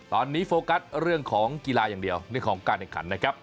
ตอนนี้โฟกัสเรื่องของกีฬาอย่างเดียวเรื่องของการแข่งขันนะครับ